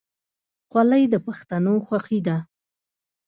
خولۍ د پښتنو خوښي ده.